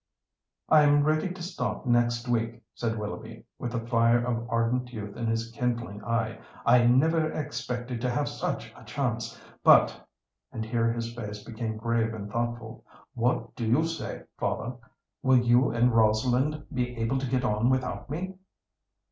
"I'm ready to start next week," said Willoughby, with the fire of ardent youth in his kindling eye. "I never expected to have such a chance. But—" and here his face became grave and thoughtful—"what do you say, father? Will you and Rosalind be able to get on without me?"